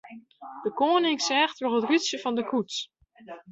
De koaning seach troch it rútsje fan de koets.